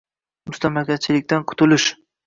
Mustamlakachilikdan qutilish